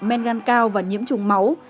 men gan cao và nhiễm chủng máu